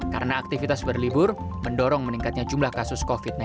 karena aktivitas berlibur mendorong meningkatnya jumlah kasus covid sembilan belas